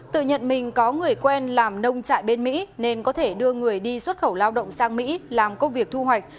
tự nhận mình có người quen làm nông trại bên mỹ nên có thể đưa người đi xuất khẩu lao động sang mỹ làm công việc thu hoạch